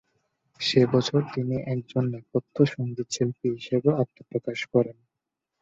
সে বছর তিনি একজন নেপথ্য সঙ্গীতশিল্পী হিসেবেও আত্মপ্রকাশ করেন।